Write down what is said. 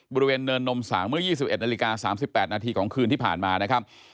บริเวณเนินนมสางเมื่อ๒๑นาฬิกา๓๘นาทีของคืนที่ผ่านมานะครับ